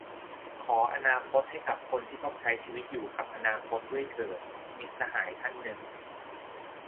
"ขออนาคตให้กับคนที่ต้องใช้ชีวิตอยู่กับอนาคตด้วยเถิด" - มิตรสหายท่านหนึ่ง